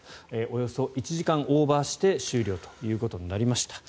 およそ１時間オーバーして終了となりました。